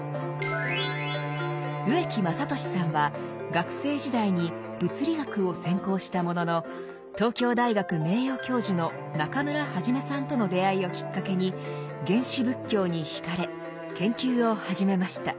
植木雅俊さんは学生時代に物理学を専攻したものの東京大学名誉教授の中村元さんとの出会いをきっかけに原始仏教に惹かれ研究を始めました。